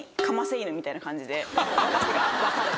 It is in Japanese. みたいな感じで私が出されて。